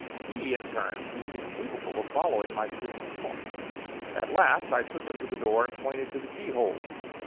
He, in turn, seemed incapable of following my stream of talk. At last, I took him to the door and pointed to the keyhole.